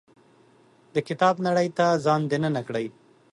د کتاب نړۍ ته ځان دننه کړي.